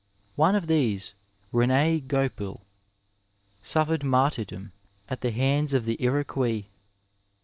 One of these, Rend Goupil, sufEered martyrdom at the hands of the Iroquois.